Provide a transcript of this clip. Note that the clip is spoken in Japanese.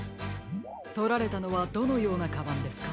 とられたのはどのようなカバンですか？